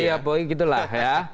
ya pokoknya gitu lah ya